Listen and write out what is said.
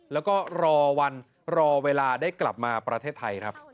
แล้วก็รอวันรอเวลาได้กลับมาประเทศไทยครับ